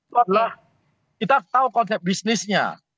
setelah kita tahu konsep bisnisnya